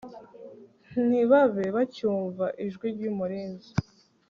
ntibabe bacyumva ijwi ry'umurinzi